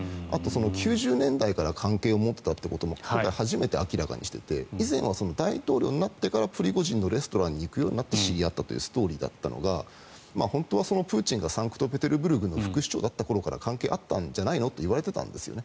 ９０年代から関係を持ってたということも今回初めて明らかにしてて以前は大統領になってからプリゴジンのレストランに行くようになってから知り合ったというストーリーだったのが本当はプーチンがサンクトペテルブルクの副市長だった頃から関係があったんじゃないのといわれてたんですよね。